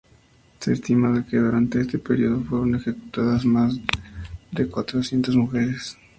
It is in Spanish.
Se estima que durante este periodo fueron ejecutadas más de cuatrocientas mujeres.